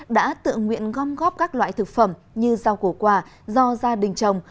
đã tự nguyện gom góp các loại thực phẩm như rau củ quả do gia đình trồng